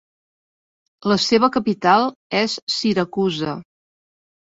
La seva capital és Siracusa.